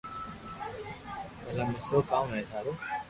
ڀلا مسلو ڪاو ھي ٿارو